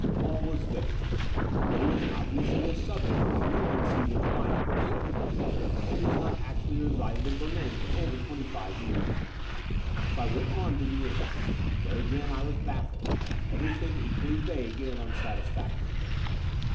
All was vague : but it was obviously a subject which no one seemed inclined to pursue. He has not actually resided in Berlin for over twenty five years. So on I went to Vienna. There again I was baffled — everything equally vague and unsatisfactory.